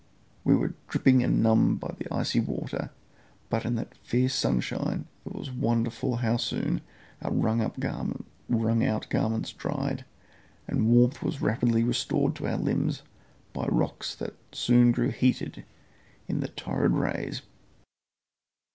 We were dripping and numbed by the icy water; but in that fierce sunshine it was wonderful how soon our wrung out garments dried; and warmth was rapidly restored to our limbs by rocks that soon grew heated in the torrid rays.